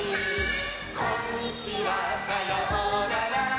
「こんにちはさようなら」